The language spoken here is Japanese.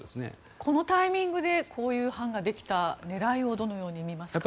このタイミングでこういう班ができた狙いをどのように見ますか。